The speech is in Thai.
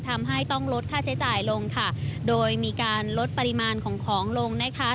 ทำให้ต้องลดค่าใช้จ่ายลงค่ะโดยมีการลดปริมาณของของลงนะคะ